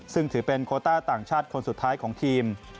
ซึ่งถือเป็นโคต้าต่างชาติคนสุดท้ายของทีม